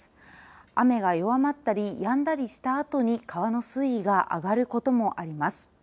雨が弱まったりやんだりしたあとに川の水位が上がることもあります。